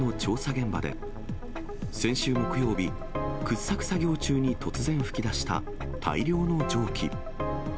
現場で、先週木曜日、掘削作業中に突然噴き出した、大量の蒸気。